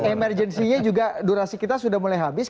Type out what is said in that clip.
emergency nya juga durasi kita sudah mulai habis